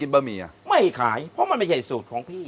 เพราะมันไม่ใช่สูตรของพี่